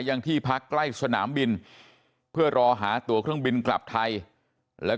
ยังที่พักใกล้สนามบินเพื่อรอหาตัวเครื่องบินกลับไทยแล้วก็